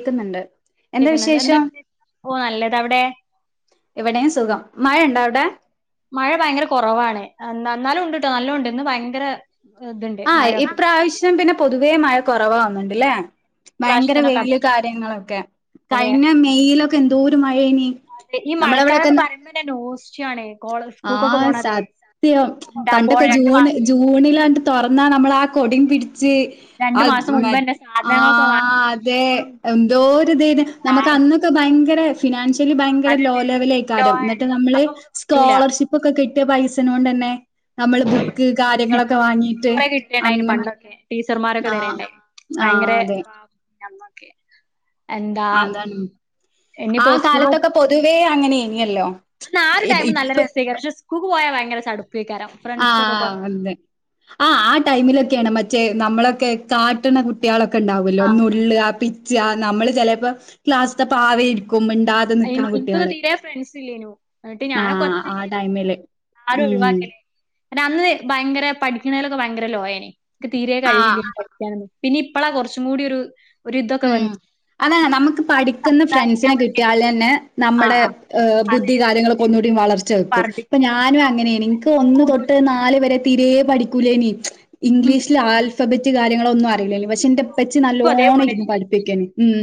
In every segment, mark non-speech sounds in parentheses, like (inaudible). ക്കുന്നുണ്ട്. കേക്കിന്നിണ്ട്. എന്താ. ഓ നല്ലത് അവിടെ? ഇവിടെയും സുഖം മഴ ഉണ്ടോ അവിടെ മഴ ഭയങ്കര കുറവാണ്. എന്ന എന്നാലും ഉണ്ട്ട്ടോ. നല്ലോംണ്ട് ഇന്ന് ഭയങ്കര ആഹ ഇപ്രാവശ്യം പിന്നെ പൊതുവേ മഴ കൊറവാ. ണ്ട്ല്ലേ? ഭയങ്കര വെയില് കാര്യങ്ങളൊക്കെ. കഴിഞ്ഞ മെയ്യിലൊക്കെ എന്തോരം മഴേനി നമ്മളവിടൊക്കെ. ചാണെ ആ സത്യം പണ്ടൊക്കെ ജൂണ് ജൂണിലാണ്ട് തുറന്നാ നമ്മളാ കോടി പിടി ച്ച് ആത് മാ ആ അതെ എന്തൊരിതായിന് നമ്മക്ക് അന്നൊക്കെ ഭയങ്കര ഗടേഷ് ഫിനാൻഷ്യലി ഭയങ്കര ലോ ലെവലയ്കാരം ന്നട്ട് നമ്മള് സ് കോളർഷിപ്പൊക്കെ ക് കിട്ട് പൈസനോണ്ടന്നെ നമ്മള് ബുക്ക് കാര്യങ്ങളൊക്കെ വാങ്ങീട്ട് അങ്ങനെ. ടീച്ചർമാരൊക്കെ ആഹ് തരേണ്ടേയ് ആഹ് ഭയ്ങ്കരെ അതെ ക്കെ അതാണ് ആഹ് കാലത്തൊക്കെ പൊതുവേ അങ്ങനേൻ ഞല്ലോ ന്നാരു ടൈമും നല്ല രസയ്ക്കാരം പഷെ സ് കൂക് പോയാ ഭയങ്കര ചട്പ് അ ആഹ് അതെ ആഹ് ആ ടൈമിലൊക്ക്യാണ് മറ്റ് റ്റേ നമ്മളൊക്കെ കാട്ട്ണ കുട്ട്യേളൊക് ക്കൊണ്ടാവല്ലോ നുള്ളാ പിച് ച്ചാ നമ്മള് ചെലേപ്പം ക്ലാസ്ത്തെ പാവേര്ക്കും കുമ്പിണ്ടാതെ നിക്ക്‌ണെ കുട്ട്യേള്. ആഹ് ആ ടൈമില് ഉംഹ് നന്ന് ഭയങ്കര പഠിക്കണതിലൊക്കെ ഭയങ്കര ലോയേനി എനിക്ക് തീരേ ആഹ് കഴിവില്ല പഠിക്കാന് പിന്നെ ഇപ്പളാ കൊറച്ചും കൂടി ഒരു ഉം അതാണ് നമുക്ക് പഠിക്കുന്ന ഫ്രണ്ട്സിനെ കിട്ടിയാലന്നെ നമ്മടെ ഏഹ് ബുദ്ധി കാര്യങ്ങളൊക്കൊന്നൂ ടീം വളർച്ച വെക്കും. ഇപ്പ ഞാനും അങ്ങനേനി എനിക്ക് ഒന്ന് തൊട്ട് നാല് വരെ തിരേ പഠിക്കൂല്ലേനി ഇംഗ്ലീഷിലെ ആൽഫബ റ്റ് കാര്യങ്ങളൊന്നും അറിയില്ലേലു പക്ഷെ ഇന്റപ്പച്ചി നല്ലോണ്ണം ഇരുന്ന് പഠിപ്പിക്ക ഉം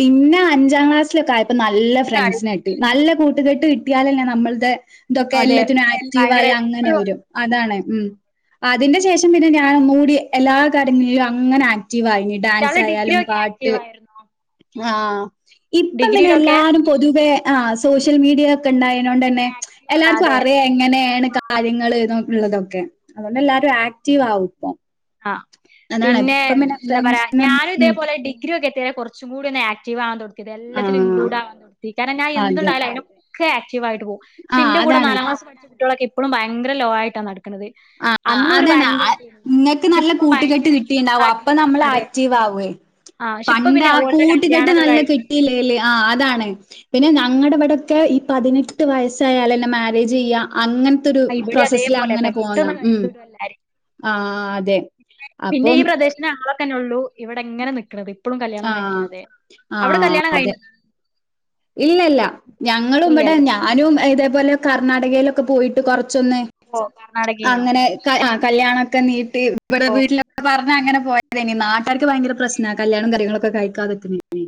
പിന്നെ അഞ്ചാം ക്ലാസ്സിലക്കായപ്പോ നല്ല ഫ്രണ്ട്സിനെ ട്ടി നല്ല കൂട്ടുകെട്ട് കിട്ടിയാലല്ലെ നമ്മളുടെ ഇതൊക്കെ എല്ലാത്തിനും ആക്റ്റീവ് ആയി അങ്ങനെ വരും അതാണ് ഉം അതിന്റ ശേഷം പിന്നെ ഞാൻ ഒന്നൂടി എല്ലാ കാര്യങ്ങളിൽ അങ്ങനെ ടീവായി. ഡാൻസ് ആയാലും ആക്റ്റീവായിരുന്നോ ആ ഇപ്പം പിന്നെ എല്ലാരും പൊതുവെ ആ സോഷ്യൽ മീഡിയ ക്കണ്ടായീനോണ്ടെന്നേ ന്നെ എല്ലാർക്കും അറിയാം എങ്ങനെണ് കാര്യങ്ങള് ഇതൊക്ക ഉള്ളതൊക്കെ അതുകൊണ്ട് എല്ലാരും ആക്റ്റീവ് ആവും ഇപ്പൊ ആ പിന്നെ എന്താ പറയാ ഫ്രണ്ട്സിനും ഞാനും ഉം ഇതേപോലെ ഡിഗ്രി ഒക്കെ (unintelligible) കൊറച്ചും കൂടിയൊന്നു ആക്ടീവ്വാ (unintelligible) എല്ലാത്തിലും ആഹ് ഇൻക്ലൂഡ് (unintelligible) കാരണം ഞാ അതെ എന്തുണ്ടായാല (unintelligible) (inaudible) ക്റ്റീവായിട്ടു പോകും ഷെ ആഹ് ന്റെ കൂടെ അതാണ് നാലാം ക്ലാസ്സിൽ പഠിച്ച കുട്ട്യാളൊക്കെ എപ്പഴും ഭയങ്കര ലോ ആയിട്ടാണ് നട ക്കണത്. ആഹ് ആഹ് അന്നോര് അതാണ് ഭയങ്കര ആ- ഇതായന് ഇങ്ങക്ക് നല്ല കൂട്ടുകെട്ട് കിട്ടിണ്ടാവും. അപ്പൊ നമ്മൾ ആക്റ്റീവ് ആവോയ് പണ്ട് ആ കൂട്ടുകെട്ട് നല്ല കിട്ടില്ലേല്ലേ ആ അതാണ് പിന്നെ ഞങ്ങടെ ഇവിടെക്കെ ഈ പതിനെട്ട് വയസ്സായാലന്നെ മാരേജ് ചെയ്യ അങ്ങനത്തെരു പ്രോസസില് അങ്ങനെ ഉം ആ അതെ അപ്പം ഒള്ളൂ ഇവിടെ ഇങ്ങനെനിക്കണത് എപ്പളും കല്യാണം ആഹ് കഴിക്കാതെ അവിടെ ആഹ് കല്യാണം കഴി ഇല്ലല്ല ഞങ്ങളും ഇവിടെ ഞാനും ഇതേപോലെ കർണാടകയിലൊക്കെ പോയിട്ട് കുറ ചൊന്നെ അങ്ങനെ (unintelligible) കല്യാണൊക്കെ നീട്ട ട്ടി ഇവിടെ വീട്ടില (unintelligible) (unintelligible) അങ്ങനെ പോയത് (unintelligible) അവർക്ക് ഭയങ്കര പ്രശ്ന കല്യാണം കാര്യങ്ങളൊ ക്കെ കഴിക്കാതെ നിക്കിനി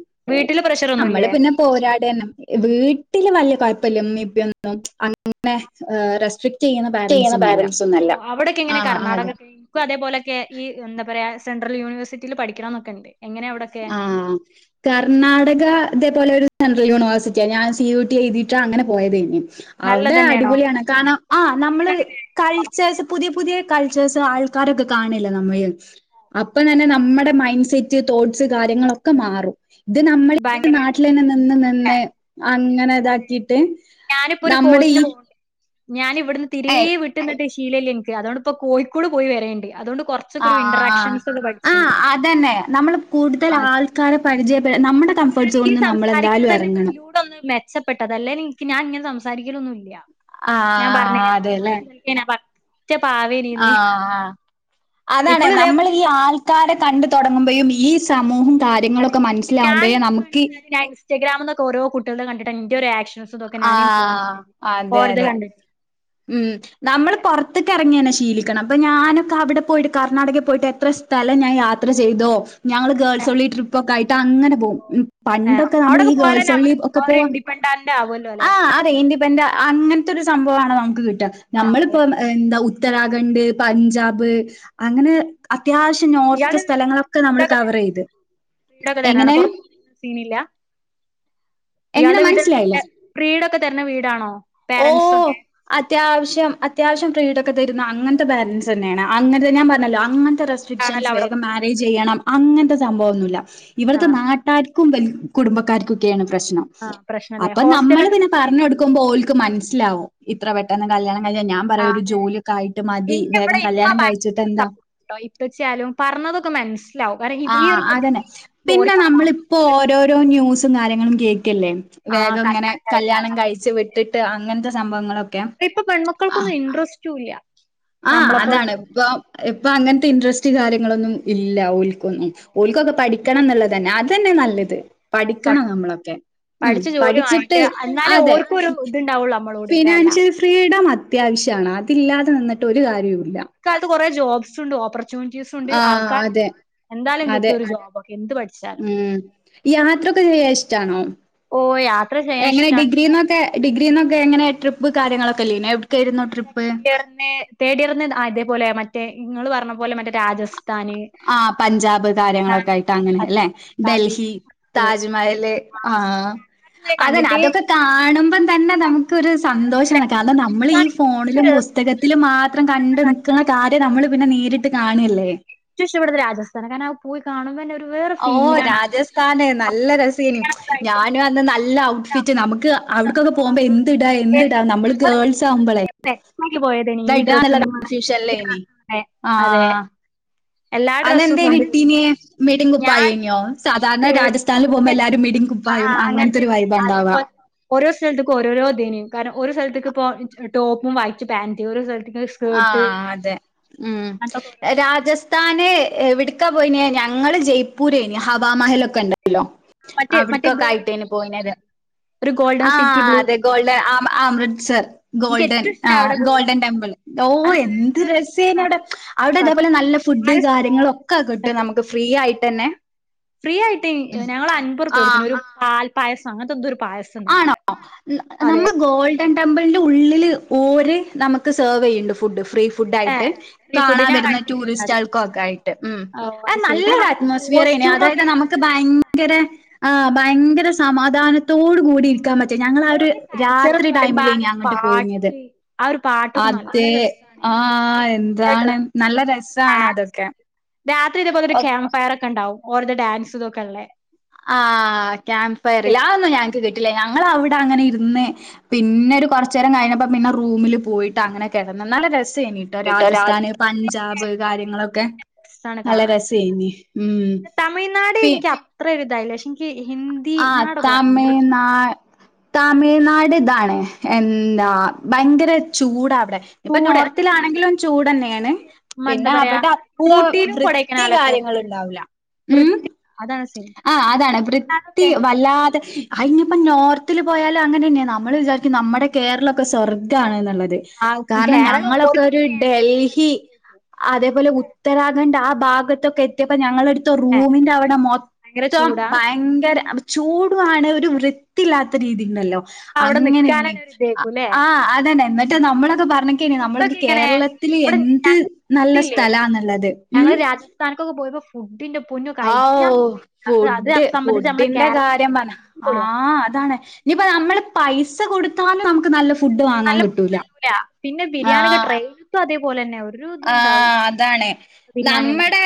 നമ്മള് പിന്നെ പോരാടണം. വീട്ടില് വല്യ കൊഴപ്പില്ല (unintelligible) അങ്ങനെ ആഹ് റെസ്ട്രി ക്ട് ചെയ്യണ പാരന്റ്സ് പേരൻസ് ഒന്നല്ല. അവിടൊക്കെ ആ എങ്ങനെ അതെ കർണാടക (unintelligible) ഇൻക്കും അതേപോലെക്കെ ഈ എന്ത പറയാ സെൻട്രൽ യൂണിവേഴ്റ്റിൽ പഠിക്കണം എന്നൊക്കെ ണ്ട്. ആഹ് കർണാടക അതേ പോലെ ഒരു സെൻ്രൽ യൂണിവഴ്സിറ്റിയാ ഞാൻ സി യു ടി എഴുതീട്ട് അങ്ങനെ പോയതെനി. അവിടെ അടിപൊളിയാണ് കാരണം ആഹ് നമ്മള് കൾച്ചേസ് പുതിയ പുതിയ കൾച്ചേസ് ആൾക്കാരൊക്കെ കാണല്ലെ നമ്മഴ്. അപ്പം തന്നെ നമ്മുടെ മൈൻ സെറ്റ് തോട്ട്സ് കാര്യങ്ങളൊക്കെ മാറും. ഇത് നമ്മൾ ഈ നാട്ടിലന്നെ നിന്ന് നിന്ന് അങ്ങനെ ഇതാക്കീട്ട് നമ്മടെ ഈ ഞാൻ ഇവടുന്ന് തീരേ ഏഹ് വിട്ട് ന്ന്ട്ട് ശീലല്ല ഇൻക്ക് അതോണ്ട് ഇപ്പോ കോഴി കൂട് പോയി വരേണ്ട്. അതോണ്ട് ആഹ് ആഹ് അതന്നെ നമ്മൾ കൂടുതൽ ആൾക്കാരെ പരിചയപെ നമ്മടെ കംഫേർട്ട്സ് സോണ്ന്ന് നമ്മളെന്തായാലും എറങ്ങണം. പെട്ടതാ അല്ലെനി ഇൻക്ക് ഞാൻ ഇങ്ങനെ സംസാരിക്കലൊന്നുല്ല്യാ. ആഹ് അതെല്ലേ ആഹ് അതാണെ നമ്മൾ ഈ ആൾക്കാരെ കണ്ടു തൊടങ്ങുമ്പഴും ഈ സമൂഹം കാര്യങ്ങളൊക്കെ മനസ്സിലകുമ്പോഴേ നമുകി ഇസ്റ്റഗ്രമ്ന്ന് എന്നൊക്കെ ഓരോ കുട്ടിൾ ത് കണ്ടിട്ട ഇന്റെ ഒരു ആക്ഷ തെക്ക ഞാന് ആഹ് ഇൻഫ്ലുമെൻസ് അതെ ഓരത് അതെ കണ്ട് ഉം നമ്മള് പുറത്ത്ക്ക് ഇറങ്ങിയനെ ഇഷ് ശീലിക്കണം അപ്പൊ ഞാനൊക്കെ അവിടെ പോയിട്ട് കർണാടകയിൽ പോയിട്ട് എത്ര സ്ഥലം ഞാൻ യാത്ര ചെയ്തോ? ഞങ്ങള് ഗേൾസ് ഒള്ളി ട്രിപ്പ് ഒക്കെ ആയിട്ട് അങ്ങനെ പോകും പണ്ടൊക്കെ നമ്മൾ ഈ ഗേൾസ് ഒള്ളി ഒക്കെ പോവാ ആ അതെ ഇൻറ്റി പെന്റ അങ്ങനത്തെ ഒരു സംഭവമാണ് നമു നമ്മളിപ്പം എന്താ ഉ ഉത്തരാഖണ്ഡ് പഞ്ചാബ് അങ്ങനെ അ അത്യാവശ്യം നോർത് സ്ഥലങ്ങളൊക്കെ നമ്മള് കവർ ചെയ്ത് എങ്ങനെ എങ്ങനെ യാടെ മനസ്സിലായില്ല വട്ട പ്രീട ക തന്നെ വീടാണോ ഓ അ അത്യാവശ്യം അത്യാവശ്യം ഫ്രീഡം ഒക്കെ തരുന്ന അങ്ങനത്തെ ബാലൻസ് തന്നെണ അങ്ങനതെ ഞാൻ പറഞ്ഞല്ലോ അങ്ങ.. റെസ്ട്രിക്ഷൻസ് വേഗം മാരേജ് ചെയ്യണം അങ്ങനത്തെ.. സംഭവം ഒന്നുമില്ല ഇവിടുത്തെ നാട്ടാർ.. (unintelligible) കുടുംബക്കാർക്കൊക്കെയാണ് പ്രശ്നം അപ്പൊ നമ്മള് പിന്നെ പറഞ്ഞു കൊടുക്കുമ്പോൽ.. മനസ്സിലാവും ഇത്ര പെട്ടെന്ന് കല്യാ.. ആ അതെ എനിക്കിവിടെ വേഗം ഇമ്മ കല്യാണം കഴിച്ചിട്ട് (inaudible) എന്താ സപ്പോട്ടാ ഇപ്പച്ചാലും പറഞ്ഞതൊക്കെ മനസ്.. ആ അതന്നെ പിന്നെ നമ്മളിപ്പോ ഓരോരോ ന്യൂസ്.. ഉം കാര്യങ്ങളും കേൾക്.. ല്ലേ വേഗം ഇങ്ങനെ കല്യാണം കഴിച്ച് വിട്ടിട്ട് അങ്ങനത്തെ.. സംഭവങ്ങളൊക്ക് ഇപ്പൊ പെൺ മക്കൾക്കൊന്നും ഇൻറസ്റ്റ്.. റ്റൂല.. ആ അതാണ് ഇപ്പ.. ഇപ്പൊ അങ്ങനത്തെ ഇൻട്രസ്റ്റ് കാര്യങ്ങളൊന്നും ഇല്ല ഒല്.. (unintelligible) ഒല്ക്കൊക്കെ പഠിക്ക്.. ക്കണം എന്നുള്ളത് തന്നെ അതന്നെ നല്ലത്. പഠിക്കണം നമ്മളൊക്കെ ഉം പഠിച്ചിട്ട് അതെ ഫിനാൻഷ്യൽ ഫ്രീഡം.. അത്യാവശ്യമാണ് അതില്ലാതെ നിന്നട്ട് ഒരു കാര്യവും കാലത്ത് കുറെ ജോബ്സ് ഉണ്ട് ഓപ്പർ.. ച്യൂനിറ്റീസ് ഉണ്ട് ആഹ് ആൾക്കാരു അതെ എന്താലും കിട്ടും അതെ ഒരു ജോബ്. ഉം യാത്രൊക്കെ ചെയ്യാ ഇഷ്ടാണോ പ്പ യാത്.. എങ്ങനെ ഡിഗ്രി എന്നൊക്കെ ഡിഗ്രീ എന്നൊക്കെ എങ്ങനെ (unintelligible) വ്വ് കാര്യങ്ങളക്ക്.. സെക്കൻ് ഇയറിന് തേർഡ് ഇയറിന് ആ ഇതേപോലെയാ മറ്റേ നിങ്ങള് പറഞ്ഞ പോലെ മറ്റേ രാജസ് ആ പഞ്ചാബ് കാര്യങ്ങളൊക്കെ ആയിട്ട് അങ്ങനെ അല്ലെ ഡൽഹി, താജ്മഹല് ആ അങ്ങനെ അതൊക്കെ കാണുമ്പം തന്നെ നമുക്ക് ക്ക് ഒരു സന്തോഷമാണ് കാരണം നമ്മൾ ഈ ഫോണിലും പുസ് പുസ്തകത്തില് മാ ത്രം കണ്ട് നിൽക്കുന്ന കാര്യം നമ്മൾ പിന്നെ നേരിട്ട് കാണല്ലേ ചഷ്ടപ്പെടുന്ന രാജസ്ഥാണ് കാരണം ആ പോയി കാണും ഒ ഓ രാജസ്ഥാന ന്നാ നല്ല രസനു ഞാനും അന്ന് നല്ല ഔ ഫിറ്റ് നമുക്ക് അവിടക്കൊക്കെ പോകുമ്പോ എ എട എന്തിട നമ്മള് ഗേൾസ് ആവുമ്പോളെ ന്ത ഇടന്നുള്ള കൺഫ്യൂഷൻല്ലേനി ആ അതെന്തേനി ഇട്ടീനേ മിടിം കുപ്പായേ നോ സാധാരണ രാജസ്ഥാനിൽ പോകുമ്പോ എല്ലാവാരും മിടി കുപ്പായും അങ്ങൻത്തെരു വൈബ ഉണ്ടാവാ ഓരോ സ്ഥലത്തക്കും ഓരോ ദേനും കാരണം ഒര് സൽത്ത്ക്ക് ഇപ്പോ ടോപ്പും വായിറ്റ് പാന്റ് ഓര് സൽത് ആഹ് അതെ ഉം രാജസ്ഥ താന് എവിട്ക്കാ പോയെ ഞങ്ങള് ജയ്പൂര് ഹവാമഹലൊക്കെ ഉണ്ട് അവിട്ക്കെക്കെ ആയിട്ട പോയത് ആ അതെ ഗോൾഡേ ആ മൃച്ചർ ഗോൾഡൻ ആ ഗോൾഡൻ ടെമ്പിൾ ഓഹ് എന്ത് രസേനവിടെ അവിടെതേപോലെ നല്ല ഫുഡ് കാര്യങ്ങളും ഒക്കെ കിട്ടും നമുക്ക് ഫ്രീ ആ ആയിട്ടന്നെ ഫ്രീ ആയിട്ട് ഞങ്ങൾ അൻപർപ്യ കൊടുത്തു ഒരു ആ യസ അങ്ങനെത്തെന്തോര് ആണോ നമ്മൾ ഗോൾഡൻ ടെമ്പിളിന്റെ ഉള്ളില് ഓര് നമ്മക്ക് സർവ് ചെയ്യുന്നുണ്ട് ഫുഡ് ഫ്രീ ഫുഡയിട്ട് ആയിട്ട് കാണാൻ വരുന്ന ടൂറിസ്റ്റ് ആൾക്കുക്കെ ആയിട്ട് ഉ അ നല്ലരു അറ്റ്മോസ്ഫിയർ അതായത് നമുക്ക് ഭയങ്കര ആ ഭയങ്കര സമാധാനത്തോട് കൂടിയിരിക്കാൻ പറ്റ ഞങ്ങള ആ ഒരു രാത്രി ടൈമിലേനി അങ്ങോട്ട് പോയിഞ്ഞത് അതെ ആഹ എന്താണ് നല്ല രസമാണ് അതൊക്കെ രാത്രി ഇതേപോലെ ഒരു ഫയർൊക്കെ ഉണ്ടാവും ഓരുടെ ഡാൻസ് ഇതൊക്കെല്ലേ ആഹ് ക്യാമ്പ് ഫയർല്ല ആ ഒന്നും ഞങ്ങക്ക് കിട്ടില്ല ഞ ഞവിടെ അങ്ങനെ ഇരുന്ന് പിന്നെ ഒരു കുറച്ച നേരം കഴിഞ്ഞപ്പോ പിന്നെ റൂമിൽ പോയിട്ട് അങ്ങനെ കിടന്ന് നല്ല ര ര ചെയട്ടോ കേട്ടോ രാ രാജസ്ഥാന് പഞ്ചാബ് കാര്യങ്ങളൊക്കെ നല്ല രസ ചെയ ഉ പി തായില്ല ആ തമ്മിഴ് നാ തമിഴ്നാട് ഇതാണ് എന്താ ഭയങ്കര ചൂടാ ഇപ്പൊ നോർത്തിലാണെങ്കിലും ചൂട് തന്നെയാണ് പിന്നെ അവിടെ അത്ര വൃത്തി കാര്യങ്ങള് ഉണ്ടാവില്ല ഉം ആ അതാണ് വൃ തീ വല്ലാതെ അ ഇനിയിപ്പോ നോർത്തിൽ പോയാലും അങ്ങനെ തന്നെയാ നമ്മൾ വിചാരിക്കും നമ്മുടെ കേരളം ഒക്കെ സ്വർഗാണ് എന്നുള്ളത് കാരണം ഞങ്ങളൊക്കെ ഒരു ഡൽഹി അതേപോലെ ഉത്തരാഖണ്ഡ് ആ ഭാഗത്തൊക്കെ എത്തിയപ്പോ ഞങ്ങളൊരു റൂമിന്റെ അവിടെ മൊത്തം ഭയങ്കര അപ്പൊ ചൂടും ആണ് ഒരു വൃത്തില്ലാത്ത രീതി ഉണ്ടല്ലോ അങ്ങനെനി ആ അതന്നെ എന്നട്ട് നമ്മളെ അത് ബാ അന്നൊക്കെനി നമ്മളൊക്കെ കേരളത്തില് എന്ത് നല്ല സ്ഥലാന്നുള്ളത് ഉം ഉ ഔ ഫുഡ് ഫുഡിന്റെ കാര്യം പറഞ്ഞ ആ അതാണ് ഇനിപ്പ നമ്മള് പൈസ കൊടുത്താലും നമുക്ക് നല്ല ഫുഡ്‌ നല്ല ഫുഡ് കിട്ടൂല പിന്നെ ബിരിയാണി ഒക്കെ ട്രെയിൻത്തും അതേപോലെന്നെ പോലെന്നെ ആവും ആ അതാണ് നമ്മുടെ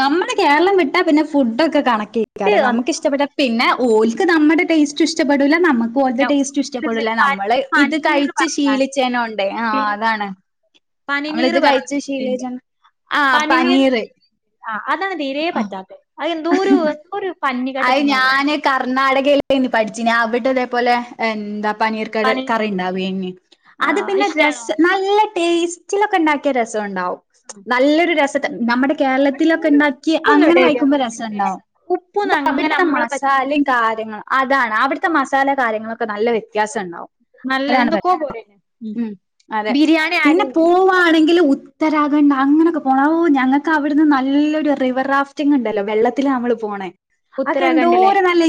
നമ്മുടെ കേരളം വിട്ടാ പിന്നെ ഫുഡ് ഒക്കെ കണക്കാ ക്കെകാരം നമ്മുക്ക് ഇഷ്ട്ടപ്പെട്ട പിന്നെ ഓല്ക് ക്ക് നമ്മുടെ ടെസ്റ്റും ഇഷ്ട്ടപ്പെടുല നമ്മ പ്പോലത് ടെസ്റ്റും ഇഷ്ട്ടപ്പെടൂല നമ്മള് ഇത് കഴിച്ച് ശീലിച്ചേനൊണ്ട് ആഹ് അതാണ് നമ്മള് ഇത് കഴിച്ച് ശീലിച്ചാണ്ട് ആ പനീർ അതാണ് തീരെ പറ്റാത്തെ അത് എന്തോ ഒരു എന്തോ ഒരു അഹ് ഞാന് കർണാടകയിലെനി പഠിച്ചിനെ അവിടെ ഇതേപോലെ എന്താ പനീർ കറ് കറി ഉണ്ടാവേനി അത് പിന്നെ രസ നല്ല ടേസ്റ്റിലൊക്കെ ഉണ്ടാക്കിയ രസം ഉണ്ടാവും- നല്ലൊരു രസ നമ്മടെ- കേരളത്തിലൊക്കെ ഇണ്ടാക്കി അങ്ങനെ കഴിക്കുമ്പോ രസം ണ്ടാകും- അവിട്ത്തെ മസാലേം കാര്യങ്ങളും അ അതാണ് അവിടുത്തെ മസാല കാര്യങ്ങളൊക്കെ കൊക്കെ നല്ല വ്യത്യാസം ഉണ്ടാവും അതാണ് മ്മ് അതെ പിന്നെ പോവാണെങ്കിൽ ഉത്തരാഖണ്ഡ് അങ്ങനെയൊക്കെ പോണം ഓഹ് ഞങ്ങൾക്ക് അവിടുന്ന് നല്ലൊരു റിവർ റാഫ്റ്റിംഗ ഉണ്ടല്ലോ വെള്ളത്തിൽ നമ്മള് പോണേ ആതൊക്കെ എന്തോരു നല്ല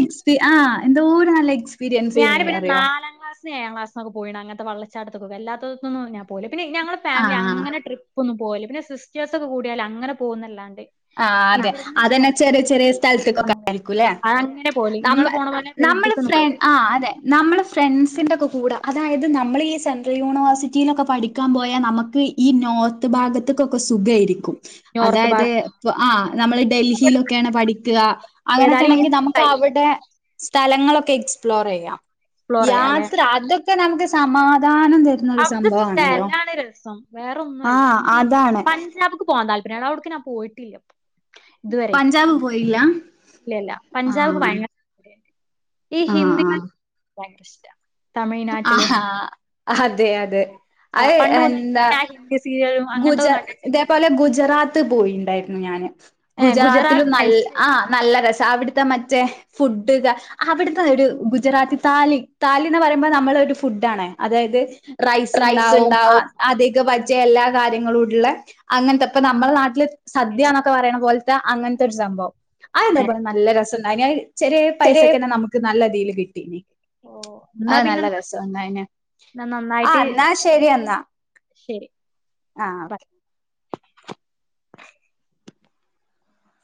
ആഹ് എന്തോരു നല്ല എക്സ് ഞാന് പിന്നെ നാലാം ക്ലാസ്സിന് ഏഴാം ക്ലസ്സിനൊക്കെ പോയി അങ്ങനെ വള്ളച്ചാട്ടത്തുക്കുന്ന് അല്ലാത്തത് ഒന്നും ഞാൻ പോകുല പിന്നെ ഞങ്ങള് ഫാമിലി ആഹ് അങ്ങന ട്രിപ്പ് ഒന്നും പോവില്ല പിന്നെ സിസ്റ്റേഴ്സ് ഒക്കെ കൂടിയാല് അങ്ങനെ പോകുന്നല്ലാണ്ട് ആഹ് അതെ അതന്നെ ചെറിയ ചെറിയ സ്ഥലത്തേക്കൊക്കെ ആയിരിക്കുംല്ലേ നമ്മ നമ്മള് ഫ്രണ്ട് ആഹ് അതെ നമ്മൾ ഫ്രണ്ട്സിൻ്റെക്കെ കൂടെ അതായത് നമ്മൾ ഈ സെൻട്രൽ യൂണിവേഴ്സിറ്റിയിലൊക്കെ പഠിക്കാൻ പോയാൽ നമുക്ക് ഈ നോർത്ത് ഭാഗത്തേക്കൊക്കെ സുഖമായിരിക്കും അതായത് ആഹ് നമ്മള് ഡൽഹിയിലൊക്കെയാണ് പഠിക്കുക അങ്ങനെയൊക്കെ ആണെങ്കിൽ നമുക്ക് അവിടെ സ്ഥലങ്ങളൊക്കെ എക്സ്പ്ലോർ ചെയ്യാം യാത്ര അതൊക്കെ പിന്നെ നമുക്ക് സമാധാനം തരുന്ന ഒരു അവിടുത്തെ സംഭവാണല്ലോ സ്ഥലാണ് രസം വേറെ ഒന്നുമല്ല ആഹ് എനിക്ക് അതാണ് പഞ്ചാബ്ക്ക് പോണം പോവാൻ താല്പര്യാണ് ആഹ് അവിടുക്ക് ഞാൻ പോയിട്ടില്ല പഞ്ചാബ് പോയില്ല ആഹ് ഈ ആഹ് ഹിന്ദി ആഹ് ഇഷ്ട തമിഴ്നാട്ടിലും ആഹാ അതെ അതെ അത് എന്താ ഗുജ ഇതേപോലെ ഗുജറാത്ത് പോയി പോയി ഉണ്ടായിരുന്നു ഞാൻ ഗുജറാത്തിലും നല്ല ആഹ് നല്ല രസ അവിടുത്തെ മറ്റേ ഫുഡ് അവിടുത്തെ ഒരു ഗുജറാത്തി താലി താലിന്ന് പറയ നമ്മളെ ഒരു ഫുഡ് ആണ് അതായത് റൈസ് ഉണ്ടാവും അധിക എല്ലാ കാര്യങ്ങളുള്ള അങ്ങനത്തെപ്പ നമ്മുടെ നാട്ടില് സദ്യന്നൊക്കെ പറയണ പോലത്തെ അങ്ങനത്തെ ഒരു സംഭവം അതതെലെ നല്ല രസ (unintelligible) ചെറിയ പൈസക്ക് തന്നെ നമുക്ക് നല്ല യില് കിട്ടീ ഓ ആ നല്ല രസം ഉണ്ടയിനു ആ അന്നാ ശരിയന്നാ ആ